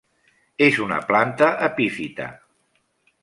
És una planta epífita.